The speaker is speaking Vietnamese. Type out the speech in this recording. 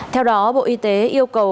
theo đó bộ y tế yêu cầu